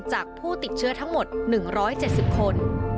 ผู้ติดเชื้อทั้งหมด๑๗๐คน